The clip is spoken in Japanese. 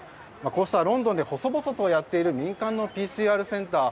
こうしたロンドンで細々とやっている民間のＰＣＲセンター。